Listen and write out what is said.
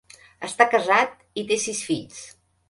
Està casat i té sis fills.